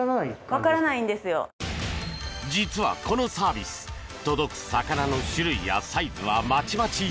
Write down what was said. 実は、このサービス届く魚の種類やサイズはまちまち。